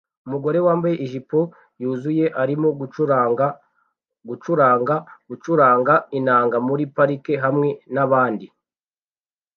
Umugore wambaye ijipo yuzuye arimo gucuranga gucuranga gucuranga inanga muri parike hamwe nabandi bagize itsinda